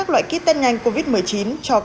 chỉ cần biết mối